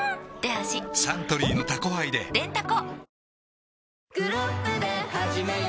サントリーの「タコハイ」ででんタコ